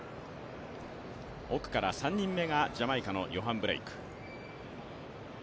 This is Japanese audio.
奥から３人目がジャマイカのヨハン・ブレイク。